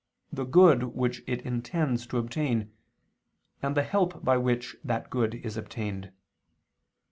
the good which it intends to obtain, and the help by which that good is obtained.